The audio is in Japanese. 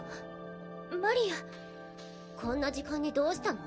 マリアこんな時間にどうしたの？